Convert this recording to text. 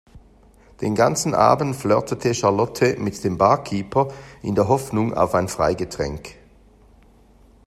Den ganzen Abend flirtete Charlotte mit dem Barkeeper in der Hoffnung auf ein Freigetränk.